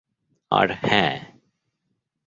আর, হ্যা।